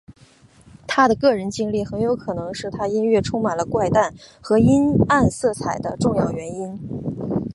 他的个人经历很有可能是他音乐充满了怪诞和阴暗色彩的重要原因。